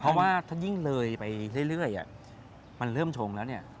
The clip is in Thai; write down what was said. เพราะว่าถ้ายิ่งเลยไปเรื่อยมันเริ่มชงแล้วเนี่ย